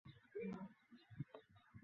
তিনি বীজগণিতের দিকে দৃষ্টিপাত করেন।